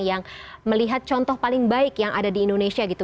yang melihat contoh paling baik yang ada di indonesia gitu